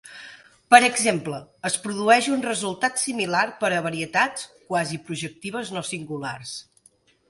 Per exemple, es produeix un resultat similar per a varietats quasiprojectives no singulars.